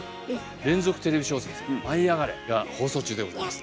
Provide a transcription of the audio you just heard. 連続テレビ小説「舞いあがれ！」が放送中でございます。